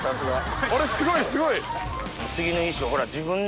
あれすごいすごい！